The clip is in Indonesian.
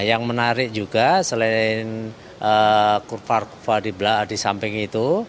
yang menarik juga selain kurvar kurva di samping itu